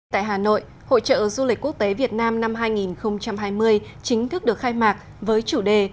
tại hà nội hội trợ du lịch quốc tế việt nam năm hai nghìn hai mươi chính thức được khai mạc với chủ đề